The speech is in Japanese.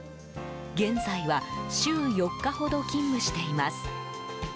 現在は週４日ほど勤務しています。